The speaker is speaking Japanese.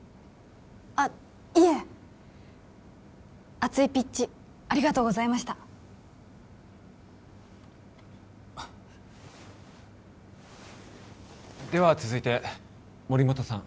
あっいえ熱いピッチありがとうございましたでは続いて森本さん